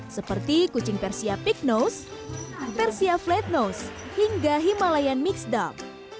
seperti kucing persia pignose persia flatnose hingga himalayan mixed dog